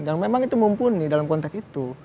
yang memang itu mumpuni dalam konteks itu